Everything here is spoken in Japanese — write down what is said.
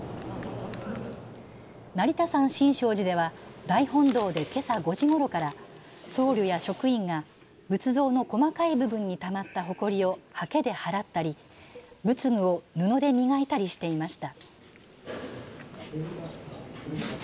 成田山新勝寺では大本堂でけさ５時ごろから僧侶や職員が仏像の細かい部分にたまったほこりをはけで払ったり仏具を布で磨いたりしていました。